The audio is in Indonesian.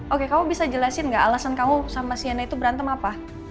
oke kamu bisa jelasin nggak alasan kamu sama siana itu berantem apa